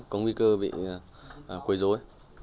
có nguy cơ bị quầy dối